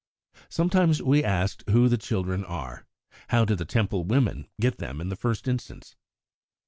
Sometimes we are asked who the children are. How do the Temple women get them in the first instance?